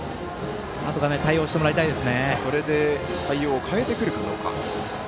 なんとか対応してもらいたいです。